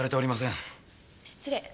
失礼。